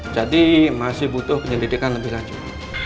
jadi masih butuh penyelidikan lebih lanjut